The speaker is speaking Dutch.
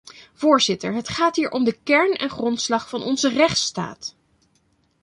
Voorzitter, het gaat hier om de kern en grondslag van onze rechtsstaat.